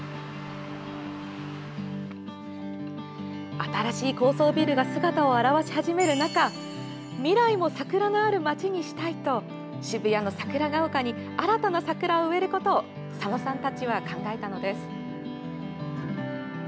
新しい高層ビルが姿を現し始める中未来も桜のある街にしたいと渋谷の桜丘に新たな桜を植えることを佐野さんたちは、考えたのです。